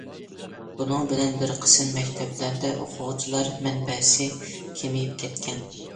بۇنىڭ بىلەن بىر قىسىم مەكتەپلەردە ئوقۇغۇچىلار مەنبەسى كېمىيىپ كەتكەن.